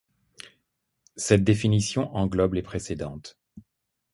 Cette définition englobe les précédentes.